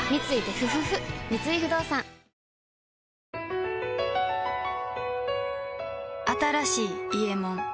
三井不動産新しい「伊右衛門」